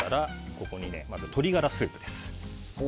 ここに鶏ガラスープです。